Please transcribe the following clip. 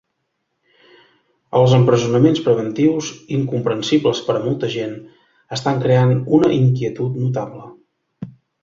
Els empresonaments preventius, incomprensibles per a molta gent, estan creant una inquietud notable.